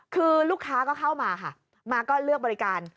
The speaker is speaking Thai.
คือลูกค้าก็เข้ามาค่ะมาก็เลือกบริการ